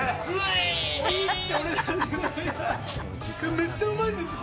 めっちゃうまいんですよ。